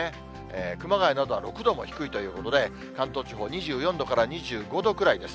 熊谷などは６度も低いということで、関東地方２４度から２５度くらいです。